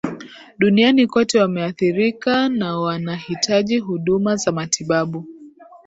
duniani kote wameathirika na wanahitaji huduma za matibabu